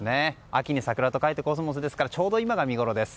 秋に桜と書いてコスモスですからちょうど今が見ごろです。